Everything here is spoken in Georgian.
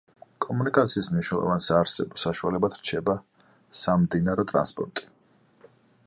კომუნიკაციის მნიშვნელოვან საარსებო საშუალებად რჩება სამდინარო ტრანსპორტი.